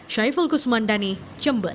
syai fulkus mandani jember